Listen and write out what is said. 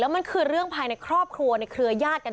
แล้วมันคือเรื่องภายในครอบครัวในเครือญาติกันจริงเลยนะคะ